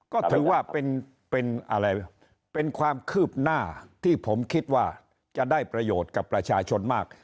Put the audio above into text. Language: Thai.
ก็ถือว่าเป็นอะไรเป็นความคืบหน้าที่ผมคิดว่าจะได้ประโยชน์กับประชาชนมาก